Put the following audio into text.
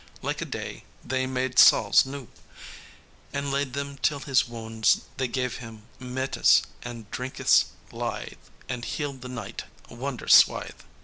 Ilke a day they made salves new And laid them till his woundes; They gave him metis and drynkis lythe, And heled the knyghte wunder swythe."